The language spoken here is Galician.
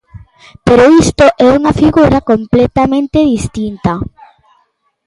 Pero isto é unha figura completamente distinta.